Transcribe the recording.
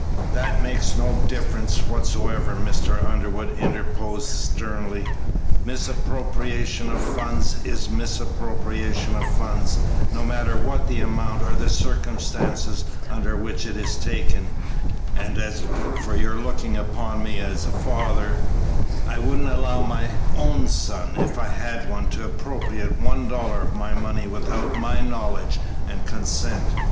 "That makes no difference whatever," Mr. Underwood interposed sternly; "misappropriation of funds is misappropriation of funds, no matter what the amount or the circumstances under which it is taken, and as for your looking upon me as a father, I wouldn't allow my own son, if I had one, to appropriate one dollar of my money without my knowledge and consent.